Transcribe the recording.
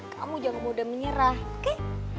kamu jangan mudah menyerah ke